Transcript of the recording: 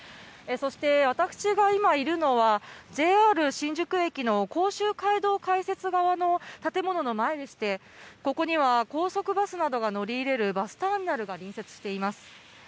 そして私が今いるのは、ＪＲ新宿駅の甲州街道改札側の建物の前でして、ここには高速バスなどが乗り入れるバスターミナルが隣接しています。